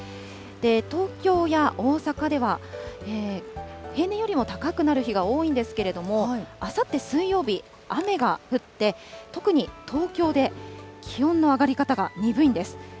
東京や大阪では、平年よりも高くなる日が多いんですけれども、あさって水曜日、雨が降って、特に東京で気温の上がり方が鈍いんです。